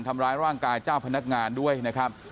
ทำร้ายร่างกายเจ้าพนักงานด้วยนะครับ